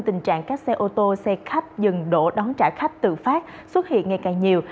tình trạng các xe ô tô xe khách dừng đổ đón trả khách tự phát xuất hiện ngày càng nhiều